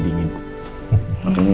daripada aku lagi dingin